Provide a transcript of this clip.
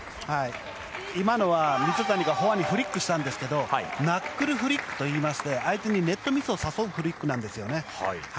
今のは水谷がフォアでフリックしたんですがナックルフリックといいまして相手にネットミスを誘うフリックなんですね。